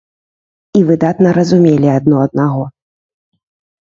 І выдатна разумелі адно аднаго.